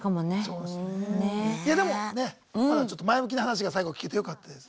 いやでもねまだ前向きな話が最後聞けてよかったです。